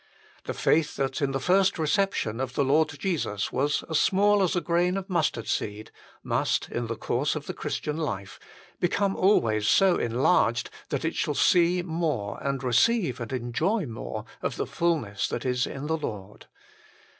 The faith that in the first reception of the Lord Jesus was as small as a grain of mustard seed must, in the course of the Christian life, become always so enlarged that it shall see more and receive and enjoy more of the fulness that is in the Lord.